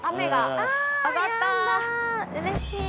うれしい。